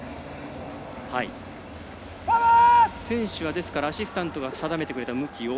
選手はアシスタントが定めてくれた向きを。